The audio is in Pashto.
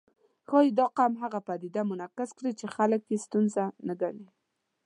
ښايي دا ارقام هغه پدیدې منعکس کړي چې خلک یې ستونزه نه ګڼي